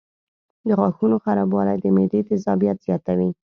د غاښونو خرابوالی د معدې تیزابیت زیاتوي.